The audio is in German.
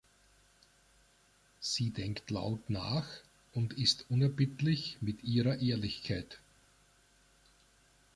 Sie denkt laut nach und ist unerbittlich mit ihrer Ehrlichkeit.